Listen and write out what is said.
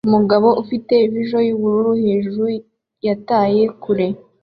Umugabo ufite visor nubururu hejuru yataye kure